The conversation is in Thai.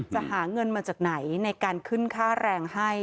จะหาเงินมาจากไหนในการขึ้นค่าแรงให้